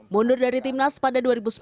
mundur dari timnas pada dua ribu sembilan belas